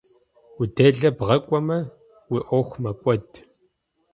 Уи делэ бгъэкIуэмэ, уи Iуэху мэкIуэд.